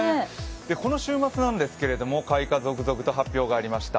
この週末なんですけど、開花、続々と発表がありました。